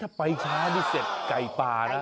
ถ้าไปช้านี่เสร็จไก่ปลานะ